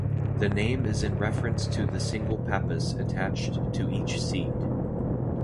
The name is in reference to the single pappus attached to each seed.